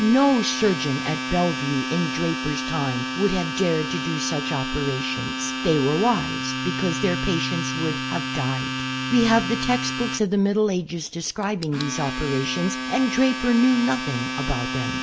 No surgeon at Bellevue in Draper's time would have dared to do such operations. They were wise, because their patients would have died. We have the text books of the Middle Ages describing these operations and Draper knew nothing about them.